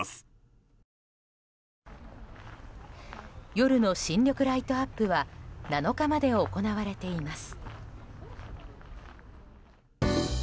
夜の新緑ライトアップは７日まで行われています。